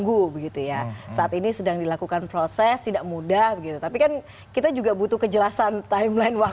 abah setelah saja kita akan lanjutkan setelah saja berikut tetap bersama kami di layar pemilu